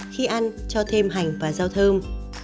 khi ăn cho thêm hành và rau thơm